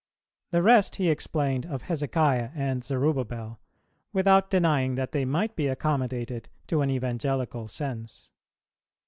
The rest he explained of Hezekiah and Zerubbabel, without denying that they might be accommodated to an evangelical sense.